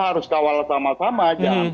harus kawal sama sama aja